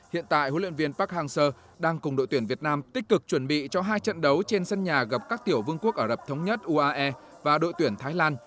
hiện tại huấn luyện viên park hang seo đang cùng đội tuyển việt nam tích cực chuẩn bị cho hai trận đấu trên sân nhà gặp các tiểu vương quốc ả rập thống nhất uae và đội tuyển thái lan